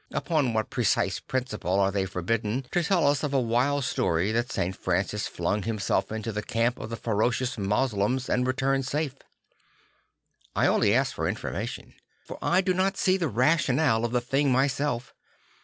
upon what precise principle are they forbidden to tell us of a wild story that St. Francis flung himself into the camp of the ferocious Moslems and returned safe? I only ask for information; for I do not see the rationale of the thing myself.